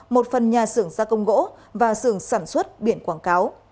một phần nhà xưởng gia công gỗ và xưởng sản xuất biển quảng cáo